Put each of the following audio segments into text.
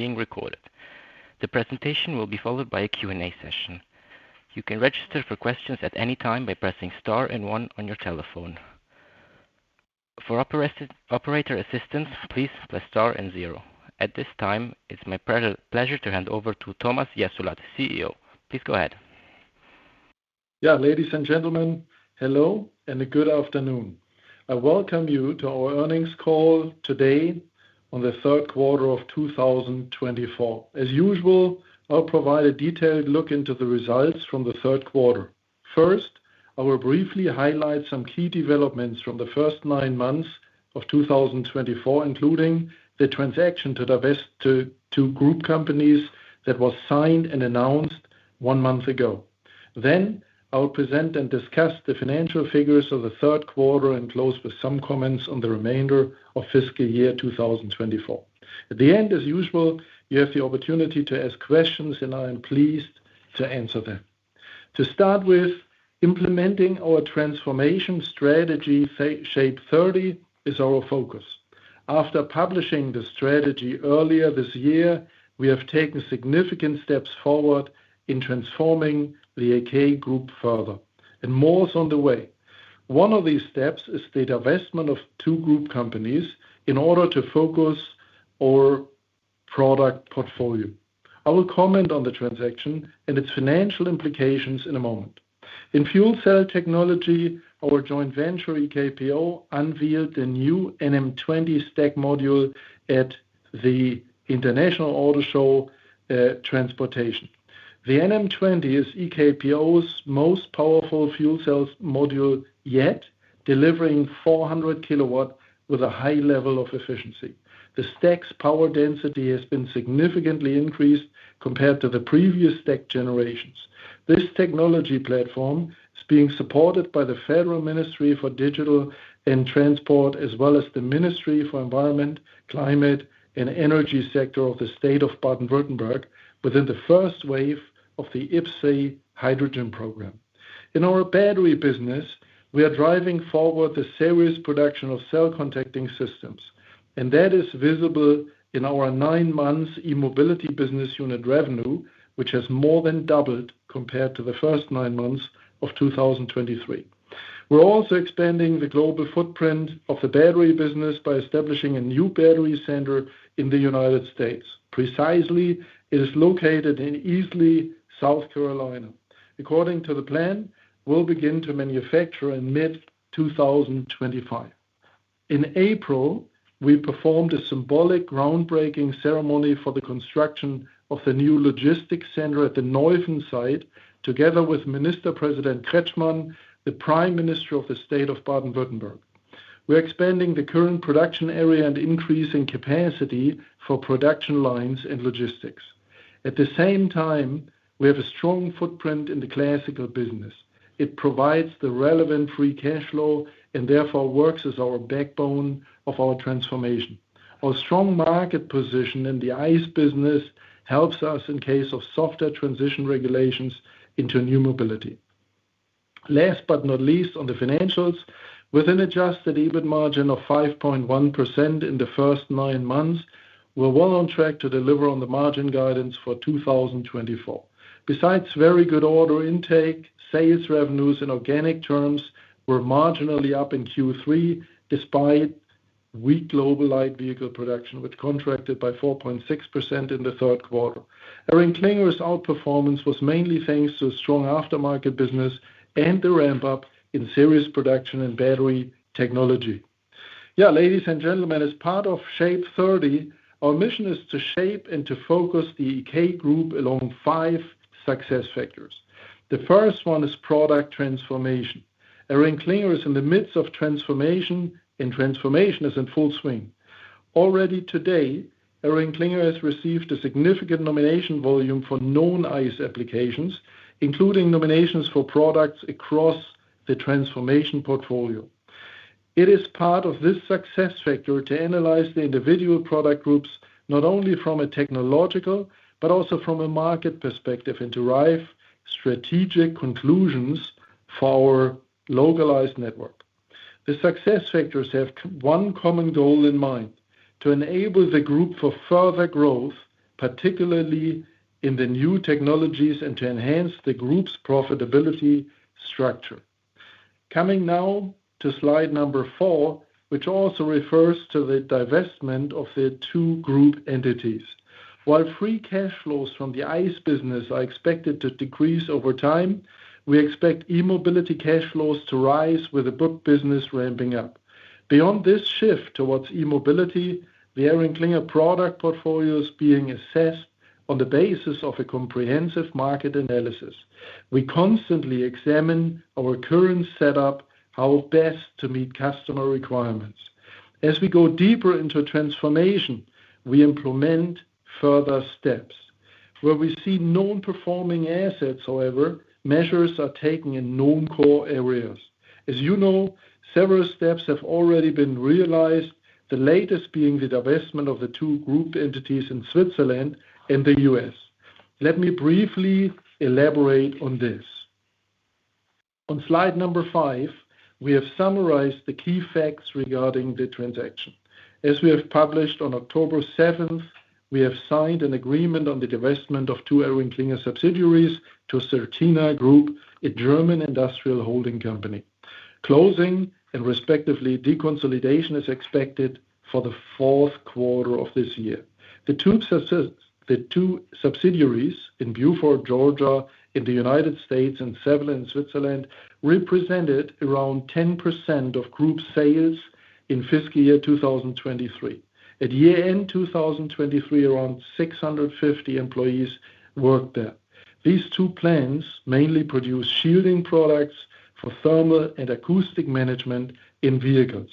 Being recorded. The presentation will be followed by a Q&A session. You can register for questions at any time by pressing star and one on your telephone. For operator assistance, please press star and zero. At this time, it's my pleasure to hand over to Thomas Jessulat, CEO. Please go ahead. Yeah, ladies and gentlemen, hello and a good afternoon. I welcome you to our earnings call today on the third quarter of 2024. As usual, I'll provide a detailed look into the results from the third quarter. First, I will briefly highlight some key developments from the first nine months of 2024, including the transaction to divest two group companies that was signed and announced one month ago. Then I'll present and discuss the financial figures of the third quarter and close with some comments on the remainder of fiscal year 2024. At the end, as usual, you have the opportunity to ask questions, and I am pleased to answer them. To start with, implementing our transformation strategy SHAPE30 is our focus. After publishing the strategy earlier this year, we have taken significant steps forward in transforming the EK Group further, and more is on the way. One of these steps is the divestment of two group companies in order to focus our product portfolio. I will comment on the transaction and its financial implications in a moment. In fuel cell technology, our joint venture EKPO unveiled the new NM20 stack module at the IAA Transportation. The NM20 is EKPO's most powerful fuel cell module yet, delivering 400 kW with a high level of efficiency. The stack's power density has been significantly increased compared to the previous stack generations. This technology platform is being supported by the Federal Ministry for Digital and Transport, as well as the Ministry for the Environment, Climate, and Energy Sector of the State of Baden-Württemberg within the first wave of the IPCEI hydrogen program. In our battery business, we are driving forward the series production of cell contacting systems, and that is visible in our nine-month e-mobility business unit revenue, which has more than doubled compared to the first nine months of 2023. We're also expanding the global footprint of the battery business by establishing a new battery center in the United States. Precisely, it is located in Easley, South Carolina. According to the plan, we'll begin to manufacture in mid-2025. In April, we performed a symbolic groundbreaking ceremony for the construction of the new logistics center at the Neuffen site, together with Minister President Kretschmann, the Prime Minister of the State of Baden-Württemberg. We're expanding the current production area and increasing capacity for production lines and logistics. At the same time, we have a strong footprint in the classical business. It provides the relevant free cash flow and therefore works as our backbone of our transformation. Our strong market position in the ICE business helps us in case of smooth transition to new mobility. Last but not least, on the financials, with an Adjusted EBIT margin of 5.1% in the first nine months, we're well on track to deliver on the margin guidance for 2024. Besides very good order intake, sales revenues in organic terms were marginally up in Q3 despite weak global light vehicle production, which contracted by 4.6% in the third quarter. ElringKlinger's outperformance was mainly thanks to a strong aftermarket business and the ramp-up in series production and battery technology. Yeah, ladies and gentlemen, as part of SHAPE30, our mission is to shape and to focus the EK Group along five success factors. The first one is product transformation. ElringKlinger is in the midst of transformation, and transformation is in full swing. Already today, ElringKlinger has received a significant nomination volume for known ICE applications, including nominations for products across the transformation portfolio. It is part of this success factor to analyze the individual product groups not only from a technological but also from a market perspective and derive strategic conclusions for our localized network. The success factors have one common goal in mind: to enable the group for further growth, particularly in the new technologies, and to enhance the group's profitability structure. Coming now to slide number 4, which also refers to the divestment of the two group entities. While free cash flows from the ICE business are expected to decrease over time, we expect e-mobility cash flows to rise with the OE business ramping up. Beyond this shift towards e-mobility, the ElringKlinger product portfolio is being assessed on the basis of a comprehensive market analysis. We constantly examine our current setup, how best to meet customer requirements. As we go deeper into transformation, we implement further steps. Where we see non-performing assets, however, measures are taken in non-core areas. As you know, several steps have already been realized, the latest being the divestment of the two group entities in Switzerland and the U.S. Let me briefly elaborate on this. On slide number 5, we have summarized the key facts regarding the transaction. As we have published on October 7th, we have signed an agreement on the divestment of two ElringKlinger subsidiaries to Certina Group, a German industrial holding company. Closing and respectively deconsolidation is expected for the fourth quarter of this year. The two subsidiaries in Buford, Georgia, in the United States, and Sevelen, Switzerland, represented around 10% of group sales in fiscal year 2023. At year-end 2023, around 650 employees worked there. These two plants mainly produce shielding products for thermal and acoustic management in vehicles.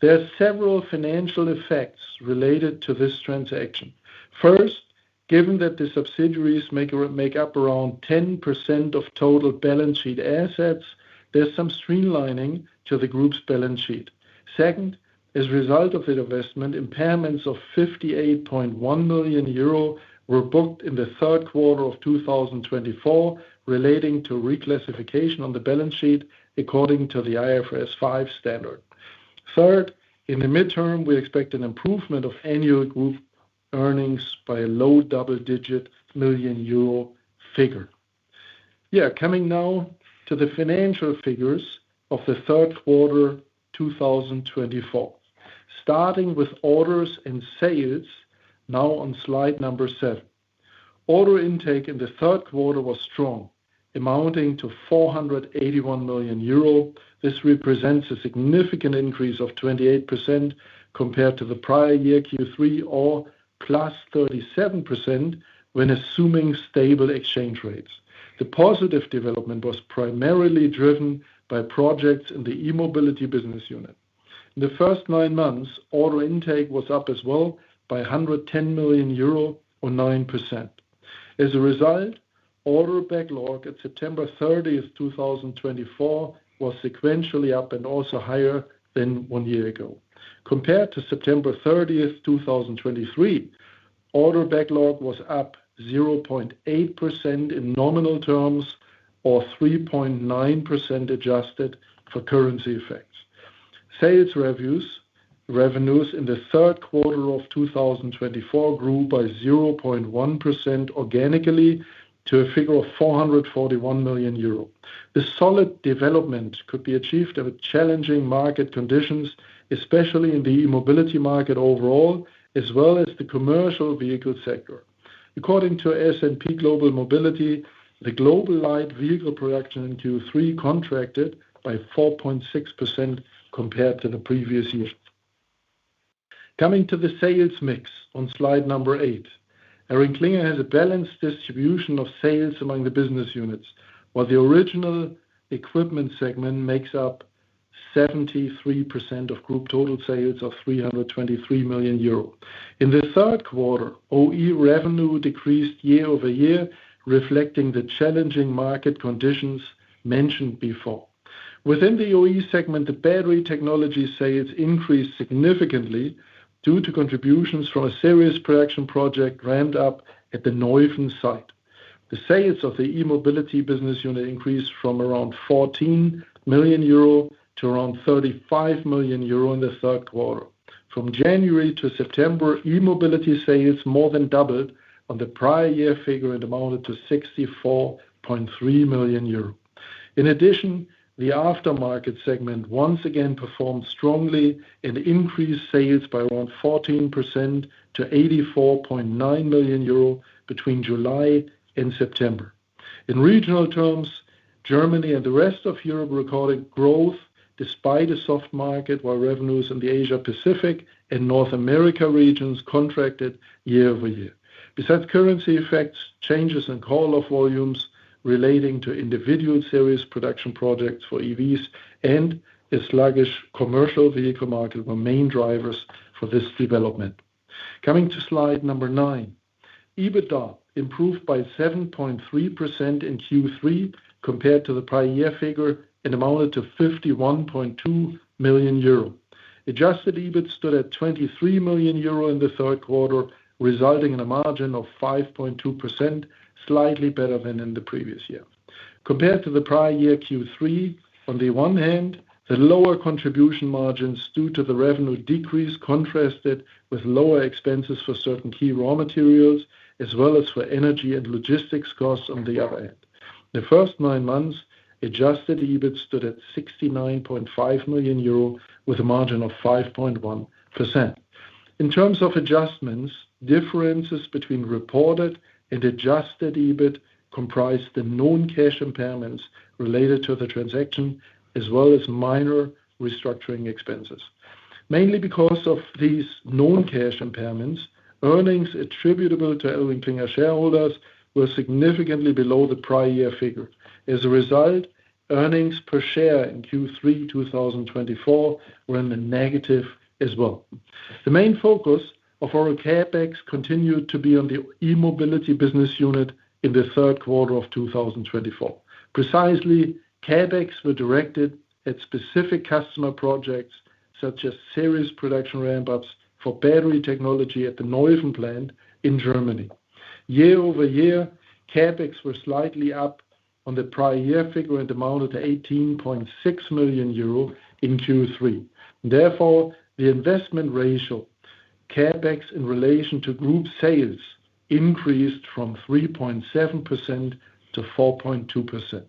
There are several financial effects related to this transaction. First, given that the subsidiaries make up around 10% of total balance sheet assets, there's some streamlining to the group's balance sheet. Second, as a result of the divestment, impairments of 58.1 million euro were booked in the third quarter of 2024, relating to reclassification on the balance sheet according to the IFRS 5 standard. Third, in the midterm, we expect an improvement of annual group earnings by a low double-digit million euro figure. Yeah, coming now to the financial figures of the third quarter 2024, starting with orders and sales, now on slide number 7. Order intake in the third quarter was strong, amounting to 481 million euro. This represents a significant increase of 28% compared to the prior year Q3, or +37% when assuming stable exchange rates. The positive development was primarily driven by projects in the e-mobility business unit. In the first nine months, order intake was up as well by 110 million euro, or 9%. As a result, order backlog at September 30th, 2024, was sequentially up and also higher than one year ago. Compared to September 30th, 2023, order backlog was up 0.8% in nominal terms, or 3.9% adjusted for currency effects. Sales revenues in the third quarter of 2024 grew by 0.1% organically to a figure of 441 million euro. The solid development could be achieved of challenging market conditions, especially in the e-mobility market overall, as well as the commercial vehicle sector. According to S&P Global Mobility, the global light vehicle production in Q3 contracted by 4.6% compared to the previous year. Coming to the sales mix on slide number 8, ElringKlinger has a balanced distribution of sales among the business units, while the original equipment segment makes up 73% of group total sales of 323 million euro. In the third quarter, OE revenue decreased year-over-year, reflecting the challenging market conditions mentioned before. Within the OE segment, the battery technology sales increased significantly due to contributions from a series production project ramped up at the Dettingen/Erms site. The sales of the e-mobility business unit increased from around 14 million euro to around 35 million euro in the third quarter. From January to September, e-mobility sales more than doubled on the prior year figure and amounted to 64.3 million euro. In addition, the aftermarket segment once again performed strongly and increased sales by around 14% to 84.9 million euro between July and September. In regional terms, Germany and the rest of Europe recorded growth despite a soft market, while revenues in the Asia-Pacific and North America regions contracted year-over-year. Besides currency effects, changes in call-off volumes relating to individual series production projects for EVs and a sluggish commercial vehicle market were main drivers for this development. Coming to slide number 9, EBITDA improved by 7.3% in Q3 compared to the prior year figure and amounted to 51.2 million euro. Adjusted EBIT stood at 23 million euro in the third quarter, resulting in a margin of 5.2%, slightly better than in the previous year. Compared to the prior year Q3, on the one hand, the lower contribution margins due to the revenue decrease contrasted with lower expenses for certain key raw materials, as well as for energy and logistics costs on the other hand. The first nine months, Adjusted EBIT stood at 69.5 million euro with a margin of 5.1%. In terms of adjustments, differences between reported and Adjusted EBIT comprised the non-cash impairments related to the transaction, as well as minor restructuring expenses. Mainly because of these non-cash impairments, earnings attributable to ElringKlinger shareholders were significantly below the prior year figure. As a result, earnings per share in Q3 2024 were in the negative as well. The main focus of our CapEx continued to be on the e-mobility business unit in the third quarter of 2024. Precisely, CapEx were directed at specific customer projects such as series production ramp-ups for battery technology at the Neuffen plant in Germany. year-over-year, CapEx were slightly up on the prior year figure and amounted to 18.6 million euro in Q3. Therefore, the investment ratio, CapEx in relation to group sales, increased from 3.7%-4.2%.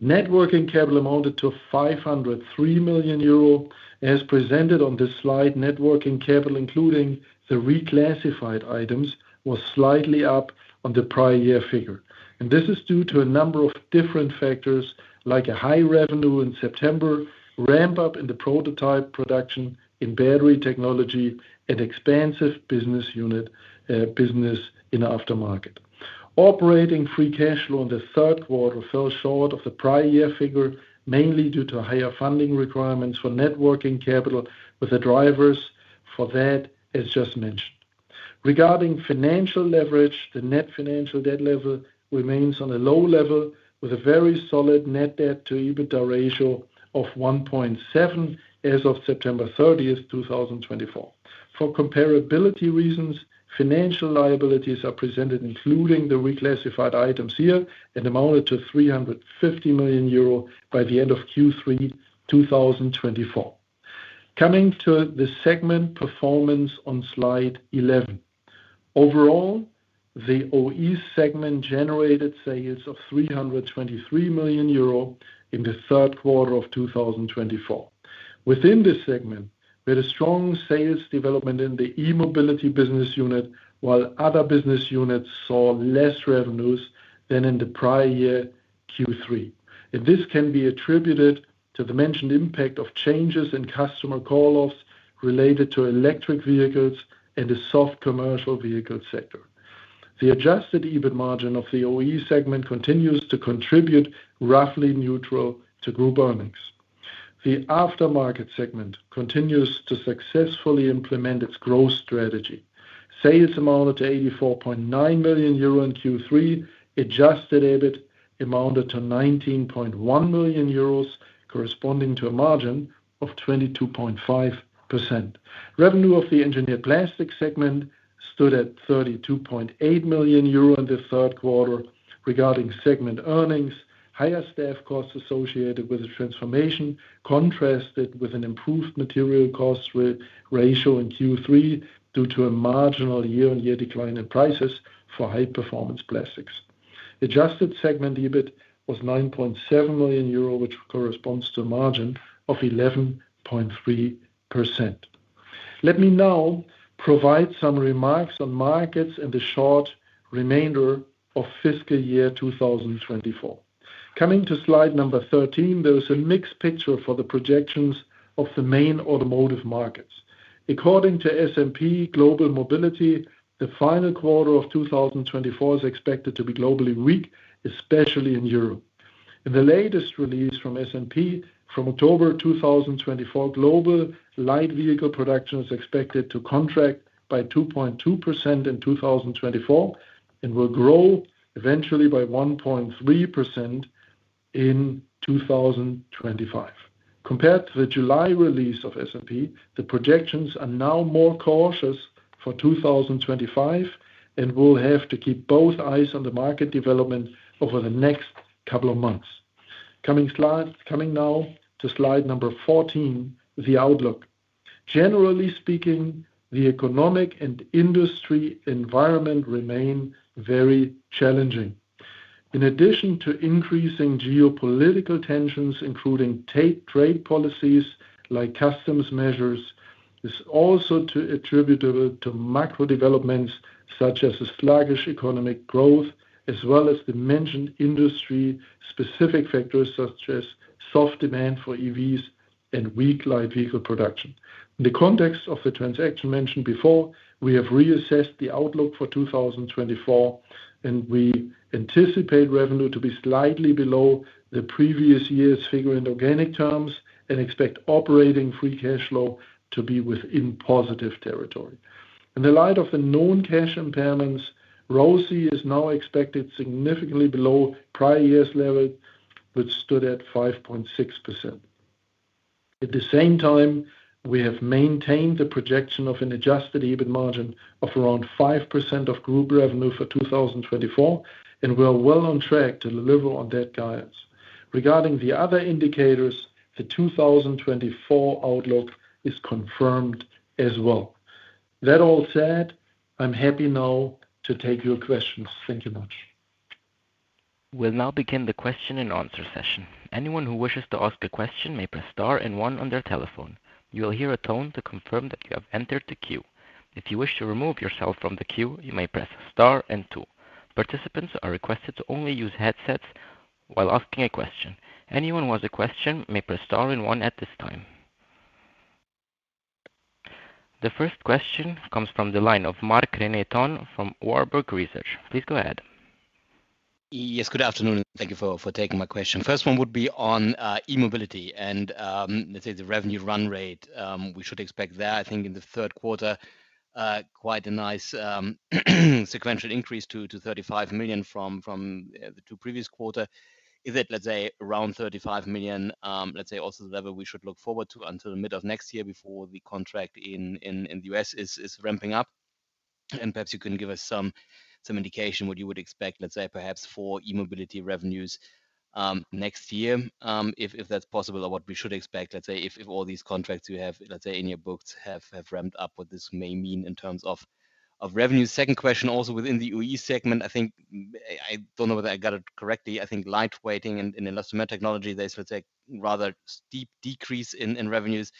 Net working capital amounted to 503 million euro, as presented on this slide. Net working capital, including the reclassified items, was slightly up on the prior year figure, and this is due to a number of different factors, like a high revenue in September, ramp-up in the prototype production in battery technology, and expansion in business unit business in aftermarket. Operating free cash flow in the third quarter fell short of the prior year figure, mainly due to higher funding requirements for net working capital, with the drivers for that as just mentioned. Regarding financial leverage, the net financial debt level remains on a low level with a very solid net debt to EBITDA ratio of 1.7 as of September 30th, 2024. For comparability reasons, financial liabilities are presented, including the reclassified items here, and amounted to 350 million euro by the end of Q3 2024. Coming to the segment performance on slide 11, overall, the OE segment generated sales of 323 million euro in the third quarter of 2024. Within this segment, we had a strong sales development in the e-mobility business unit, while other business units saw less revenues than in the prior year Q3. This can be attributed to the mentioned impact of changes in customer call-offs related to electric vehicles and the soft commercial vehicle sector. The Adjusted EBIT margin of the OE segment continues to contribute roughly neutral to group earnings. The aftermarket segment continues to successfully implement its growth strategy. Sales amounted to 84.9 million euro in Q3. Adjusted EBIT amounted to 19.1 million euros, corresponding to a margin of 22.5%. Revenue of the Engineered Plastics segment stood at 32.8 million euro in the third quarter. Regarding segment earnings, higher staff costs associated with the transformation contrasted with an improved material cost ratio in Q3 due to a marginal year-on-year decline in prices for high-performance plastics. Adjusted segment EBIT was 9.7 million euro, which corresponds to a margin of 11.3%. Let me now provide some remarks on markets and the short remainder of fiscal year 2024. Coming to slide number 13, there is a mixed picture for the projections of the main automotive markets. According to S&P Global Mobility, the final quarter of 2024 is expected to be globally weak, especially in Europe. In the latest release from S&P from October 2024, global light vehicle production is expected to contract by 2.2% in 2024 and will grow eventually by 1.3% in 2025. Compared to the July release of S&P, the projections are now more cautious for 2025 and will have to keep both eyes on the market development over the next couple of months. Coming now to slide number 14, the outlook. Generally speaking, the economic and industry environment remain very challenging. In addition to increasing geopolitical tensions, including trade policies like customs measures, this is also attributable to macro developments such as sluggish economic growth, as well as the mentioned industry-specific factors such as soft demand for EVs and weak light vehicle production. In the context of the transaction mentioned before, we have reassessed the outlook for 2024, and we anticipate revenue to be slightly below the previous year's figure in organic terms and expect operating free cash flow to be within positive territory. In the light of the known cash impairments, ROCE is now expected significantly below prior year's level, which stood at 5.6%. At the same time, we have maintained the projection of an Adjusted EBIT margin of around 5% of group revenue for 2024, and we are well on track to deliver on that guidance. Regarding the other indicators, the 2024 outlook is confirmed as well. That all said, I'm happy now to take your questions. Thank you much. We'll now begin the question-and-answer session. Anyone who wishes to ask a question may press star and one on their telephone. You will hear a tone to confirm that you have entered the queue. If you wish to remove yourself from the queue, you may press star and two. Participants are requested to only use headsets while asking a question. Anyone who has a question may press star and one at this time. The first question comes from the line of Marc-René Tonn from Warburg Research. Please go ahead. Yes, good afternoon, and thank you for taking my question. First one would be on e-mobility and let's say the revenue run rate. We should expect there, I think, in the third quarter, quite a nice sequential increase to 35 million from the two previous quarters. Is it, let's say, around 35 million, let's say, also the level we should look forward to until the mid of next year before the contract in the U.S. is ramping up? Perhaps you can give us some indication of what you would expect, let's say, perhaps for e-mobility revenues next year, if that's possible, or what we should expect, let's say, if all these contracts you have, let's say, in your books have ramped up, what this may mean in terms of revenue. Second question also within the OE segment, I think, I don't know whether I got it correctly, I think lightweighting in industrial technology, there's, let's say, a rather steep decrease in revenues.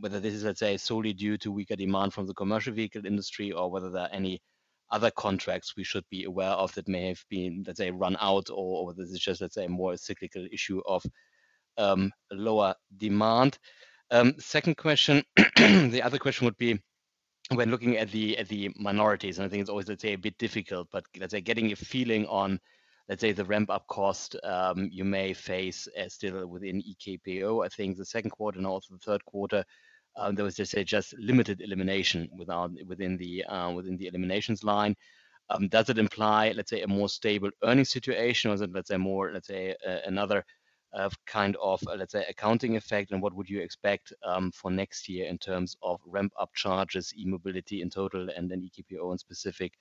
Whether this is, let's say, solely due to weaker demand from the commercial vehicle industry or whether there are any other contracts we should be aware of that may have been, let's say, run out, or whether this is just, let's say, more a cyclical issue of lower demand. Second question, the other question would be when looking at the minorities, and I think it's always, let's say, a bit difficult, but let's say getting a feeling on, let's say, the ramp-up cost you may face still within EKPO. I think the second quarter and also the third quarter, there was, let's say, just limited elimination within the eliminations line. Does it imply, let's say, a more stable earnings situation, or is it, let's say, more, let's say, another kind of, let's say, accounting effect? And what would you expect for next year in terms of ramp-up charges, e-mobility in total, and then EKPO in specific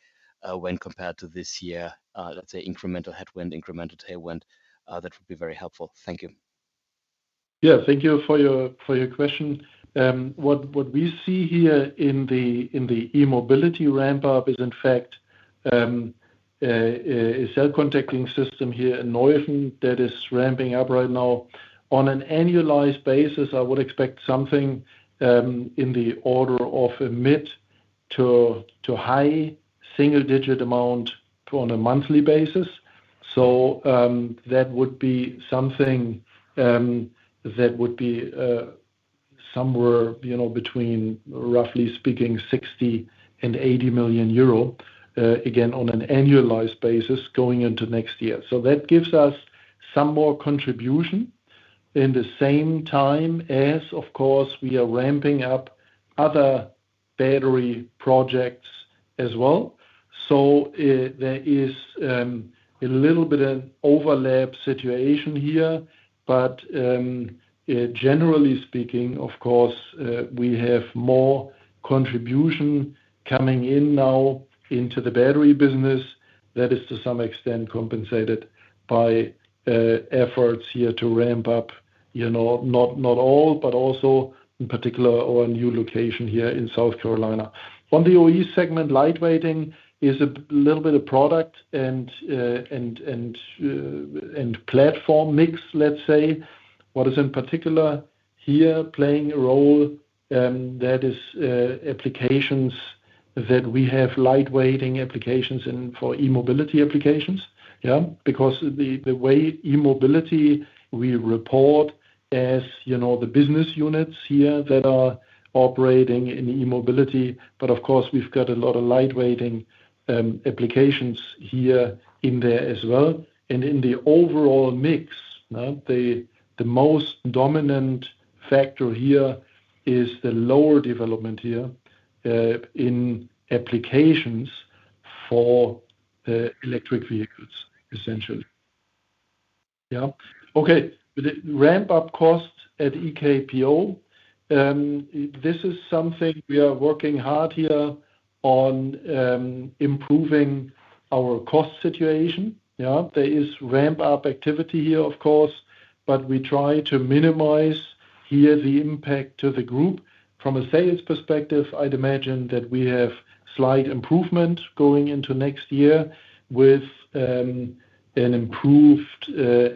when compared to this year, let's say, incremental headwind, incremental tailwind? That would be very helpful. Thank you. Yeah, thank you for your question. What we see here in the e-mobility ramp-up is, in fact, a cell contacting system here in Neuffen that is ramping up right now. On an annualized basis, I would expect something in the order of a mid to high single-digit amount on a monthly basis, so that would be something that would be somewhere between, roughly speaking, 60-80 million euro, again, on an annualized basis going into next year, so that gives us some more contribution in the same time as, of course, we are ramping up other battery projects as well, so there is a little bit of an overlap situation here, but generally speaking, of course, we have more contribution coming in now into the battery business. That is, to some extent, compensated by efforts here to ramp up, not all, but also in particular our new location here in South Carolina. On the OE segment, lightweighting is a little bit of product and platform mix, let's say. What is in particular here playing a role? That is applications that we have lightweighting applications for e-mobility applications, yeah, because the way e-mobility we report as the business units here that are operating in e-mobility. But of course, we've got a lot of lightweighting applications here in there as well. And in the overall mix, the most dominant factor here is the lower development here in applications for electric vehicles, essentially. Yeah. Okay. Ramp-up cost at EKPO. This is something we are working hard here on improving our cost situation. There is ramp-up activity here, of course, but we try to minimize here the impact to the group. From a sales perspective, I'd imagine that we have slight improvement going into next year with an improved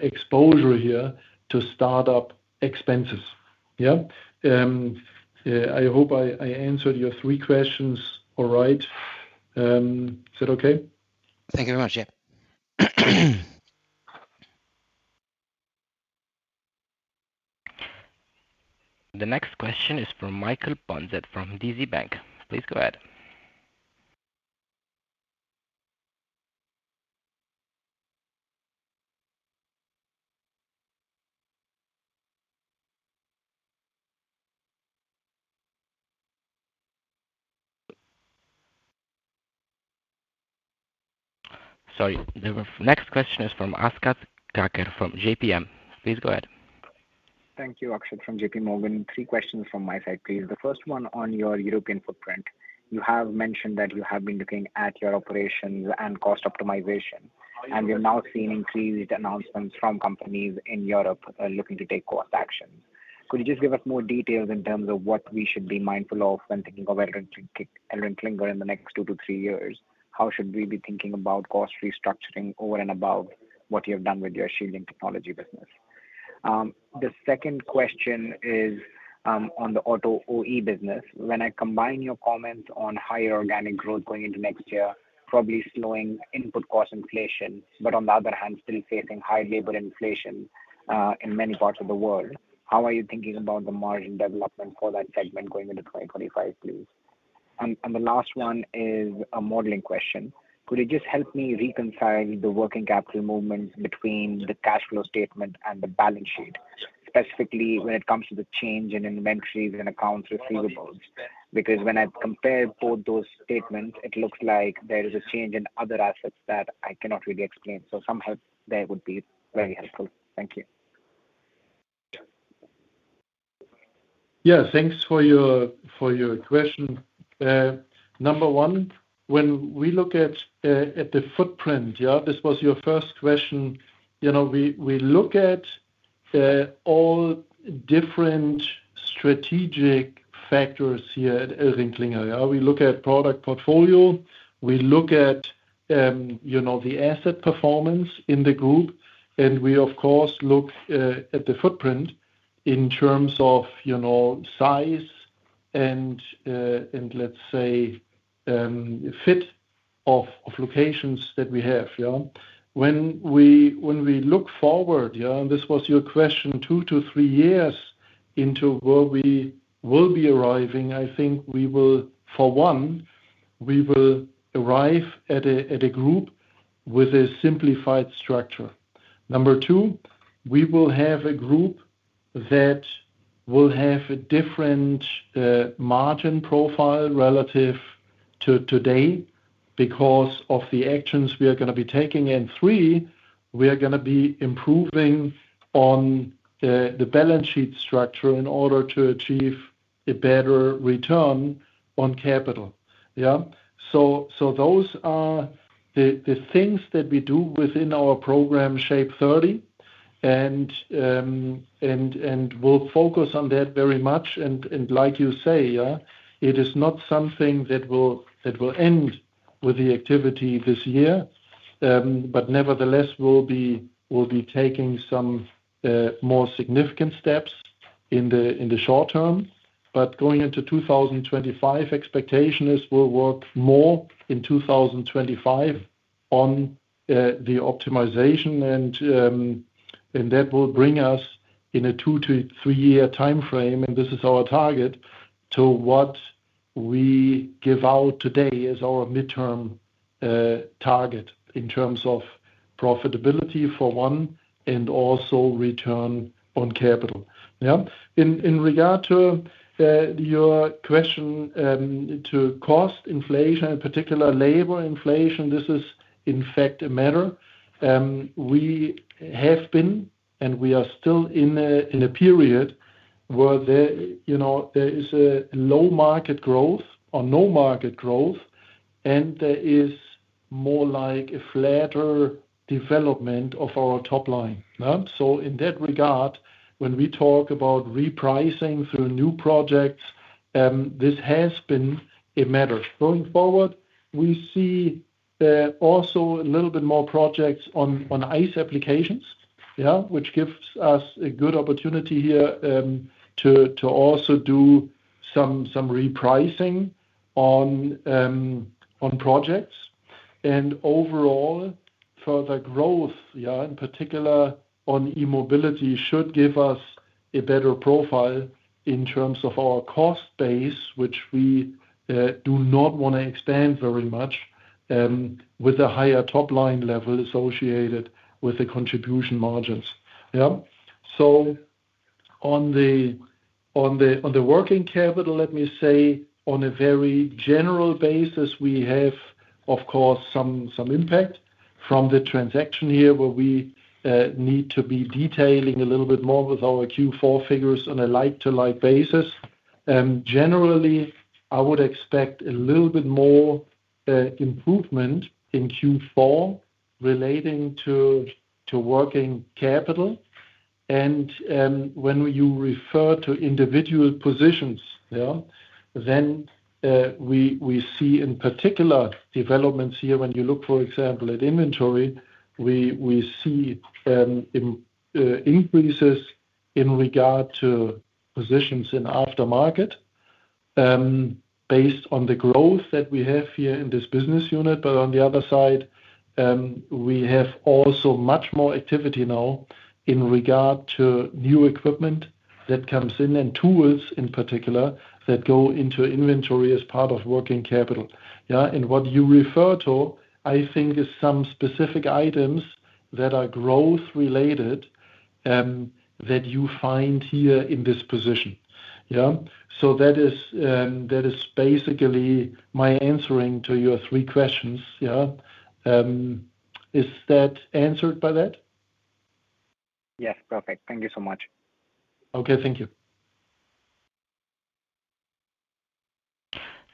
exposure here to startup expenses. Yeah. I hope I answered your three questions all right. Is that okay? Thank you very much. Yeah. The next question is from Michael Punzet from DZ Bank. Please go ahead. Sorry. The next question is from Akshat Kacker from JPMorgan. Please go ahead. Thank you, Akshat, from JPMorgan. Three questions from my side, please. The first one on your European footprint. You have mentioned that you have been looking at your operations and cost optimization, and we have now seen increased announcements from companies in Europe looking to take cost action. Could you just give us more details in terms of what we should be mindful of when thinking of ElringKlinger in the next 2-3 years? How should we be thinking about cost restructuring over and above what you have done with your shielding technology business? The second question is on the auto OE business. When I combine your comments on higher organic growth going into next year, probably slowing input cost inflation, but on the other hand, still facing high labor inflation in many parts of the world, how are you thinking about the margin development for that segment going into 2025, please? And the last one is a modeling question. Could you just help me reconcile the working capital movement between the cash flow statement and the balance sheet, specifically when it comes to the change in inventories and accounts receivable? Because when I compare both those statements, it looks like there is a change in other assets that I cannot really explain. So some help there would be very helpful. Thank you. Yeah. Thanks for your question. Number one, when we look at the footprint, this was your first question, we look at all different strategic factors here at ElringKlinger. We look at product portfolio. We look at the asset performance in the group, and we, of course, look at the footprint in terms of size and, let's say, fit of locations that we have. When we look forward, and this was your question, two to three years into where we will be arriving, I think we will, for one, we will arrive at a group with a simplified structure. Number two, we will have a group that will have a different margin profile relative to today because of the actions we are going to be taking, and three, we are going to be improving on the balance sheet structure in order to achieve a better return on capital. Yeah, so those are the things that we do within our program, SHAPE30, and we'll focus on that very much. And, like you say, it is not something that will end with the activity this year, but nevertheless, we'll be taking some more significant steps in the short term. But going into 2025, expectation is we'll work more in 2025 on the optimization, and that will bring us in a 2-3 years time frame, and this is our target, to what we give out today as our midterm target in terms of profitability, for one, and also return on capital. Yeah. In regard to your question to cost inflation, in particular labor inflation, this is, in fact, a matter. We have been, and we are still in a period where there is a low market growth or no market growth, and there is more like a flatter development of our top line. So in that regard, when we talk about repricing through new projects, this has been a matter. Going forward, we see also a little bit more projects on ICE applications, which gives us a good opportunity here to also do some repricing on projects, and overall, further growth, in particular on e-mobility, should give us a better profile in terms of our cost base, which we do not want to expand very much with a higher top line level associated with the contribution margins. Yeah, so on the working capital, let me say, on a very general basis, we have, of course, some impact from the transaction here where we need to be detailing a little bit more with our Q4 figures on a like-for-like basis. Generally, I would expect a little bit more improvement in Q4 relating to working capital, and when you refer to individual positions, then we see in particular developments here. When you look, for example, at inventory, we see increases in regard to positions in aftermarket based on the growth that we have here in this business unit. But on the other side, we have also much more activity now in regard to new equipment that comes in and tools in particular that go into inventory as part of working capital. Yeah. And what you refer to, I think, is some specific items that are growth-related that you find here in this position. Yeah. So that is basically my answering to your three questions. Yeah. Is that answered by that? Yes. Perfect. Thank you so much. Okay. Thank you.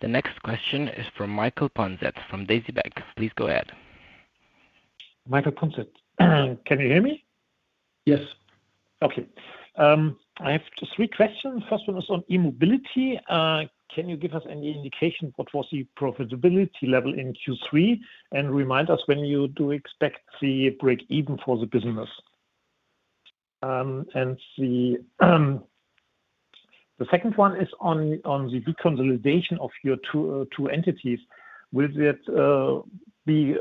The next question is from Michael Punzet from DZ Bank. Please go ahead. Michael Punzet, can you hear me? Yes. Okay. I have three questions. First one is on e-mobility. Can you give us any indication what was the profitability level in Q3 and remind us when you do expect the break-even for the business? And the second one is on the deconsolidation of your two entities. Will that be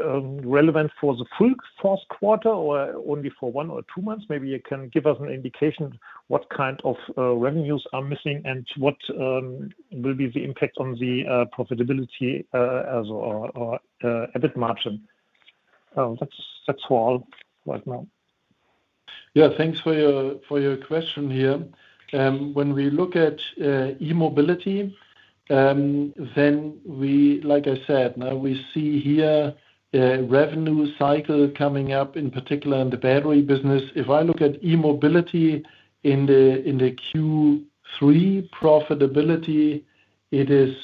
relevant for the full fourth quarter or only for one or two months? Maybe you can give us an indication what kind of revenues are missing and what will be the impact on the profitability or EBIT margin. That's all right now. Yeah. Thanks for your question here. When we look at e-mobility, then we, like I said, we see here a revenue cycle coming up, in particular in the battery business. If I look at e-mobility in the Q3 profitability, it is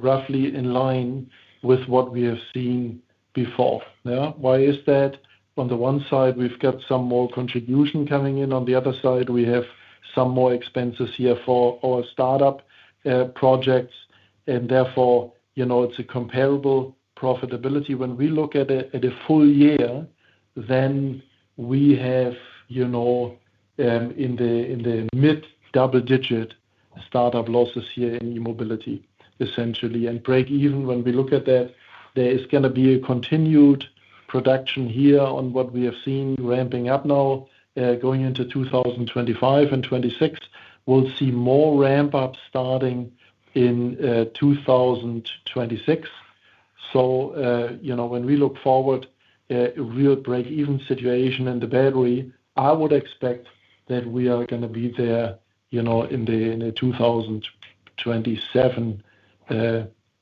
roughly in line with what we have seen before. Yeah. Why is that? On the one side, we've got some more contribution coming in. On the other side, we have some more expenses here for our startup projects, and therefore, it's a comparable profitability. When we look at it at a full year, then we have in the mid double-digit startup losses here in e-mobility, essentially, and break-even. When we look at that, there is going to be a continued production here on what we have seen ramping up now going into 2025 and 2026. We'll see more ramp-up starting in 2026. So when we look forward, a real break-even situation in the battery, I would expect that we are going to be there in the 2027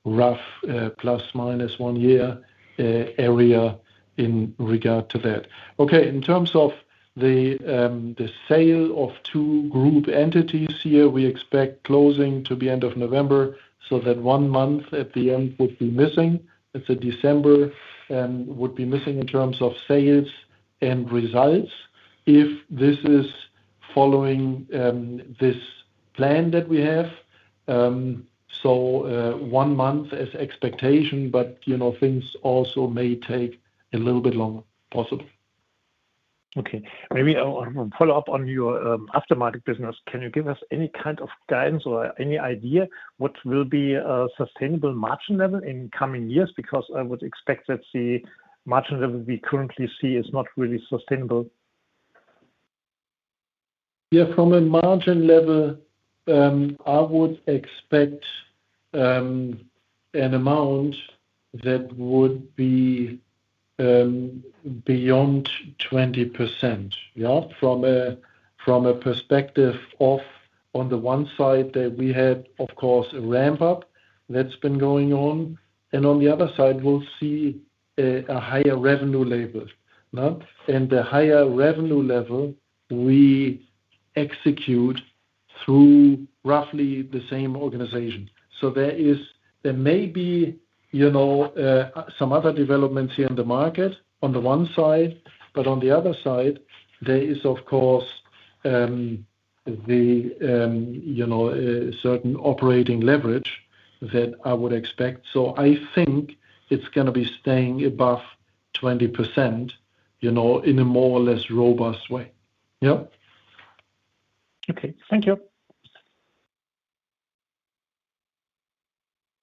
roughly plus minus one year area in regard to that. Okay. In terms of the sale of two group entities here, we expect closing to the end of November, so that one month at the end would be missing. It's a December, would be missing in terms of sales and results if this is following this plan that we have. So one month as expectation, but things also may take a little bit longer, possible. Okay. Maybe I'll follow up on your aftermarket business. Can you give us any kind of guidance or any idea what will be a sustainable margin level in coming years? Because I would expect that the margin level we currently see is not really sustainable. Yeah. From a margin level, I would expect an amount that would be beyond 20%, yeah, from a perspective of, on the one side, that we had, of course, a ramp-up that's been going on. And on the other side, we'll see a higher revenue level. And the higher revenue level we execute through roughly the same organization. So there may be some other developments here in the market on the one side, but on the other side, there is, of course, the certain operating leverage that I would expect. So I think it's going to be staying above 20% in a more or less robust way. Yeah. Okay. Thank you.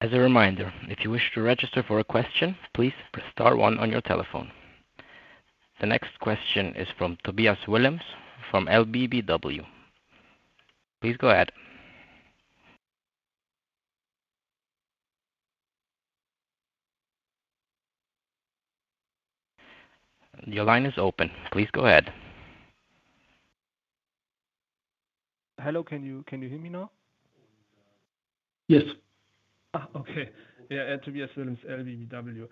As a reminder, if you wish to register for a question, please press star one on your telephone. The next question is from Tobias Willems from LBBW. Please go ahead. Your line is open. Please go ahead. Hello. Can you hear me now? Yes. Okay. Yeah. Tobias Willems, LBBW.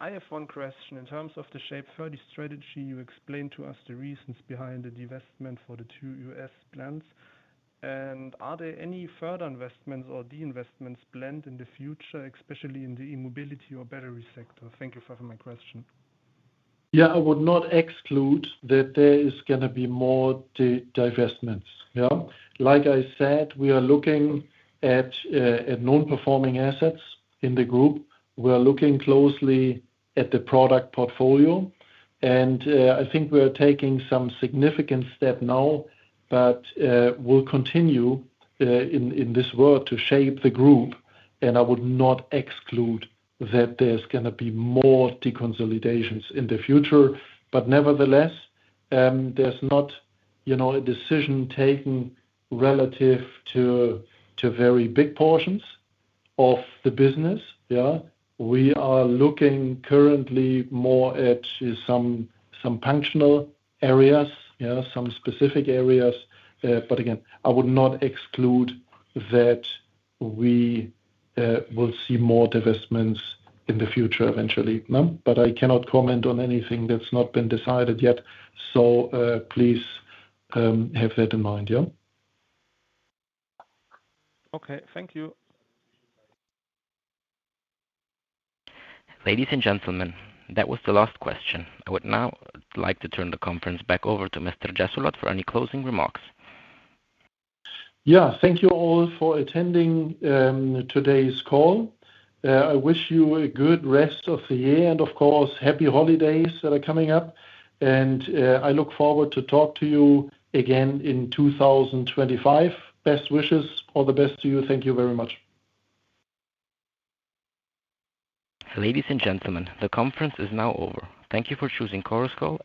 I have one question. In terms of the SHAPE30 strategy, you explained to us the reasons behind the divestment for the two U.S. plants. And are there any further investments or deinvestments planned in the future, especially in the e-mobility or battery sector? Thank you for taking my question. Yeah. I would not exclude that there is going to be more divestments. Yeah. Like I said, we are looking at non-performing assets in the group. We are looking closely at the product portfolio. And I think we are taking some significant step now, but we'll continue in this work to shape the group. And I would not exclude that there's going to be more deconsolidations in the future. But nevertheless, there's not a decision taken relative to very big portions of the business. Yeah. We are looking currently more at some functional areas, some specific areas. But again, I would not exclude that we will see more divestments in the future eventually. But I cannot comment on anything that's not been decided yet. So please have that in mind. Yeah. Okay. Thank you. Ladies and gentlemen, that was the last question. I would now like to turn the conference back over to Mr. Jessulat for any closing remarks. Yeah. Thank you all for attending today's call. I wish you a good rest of the year and, of course, happy holidays that are coming up, and I look forward to talk to you again in 2025. Best wishes for the best to you. Thank you very much. Ladies and gentlemen, the conference is now over. Thank you for choosing Chorus Call.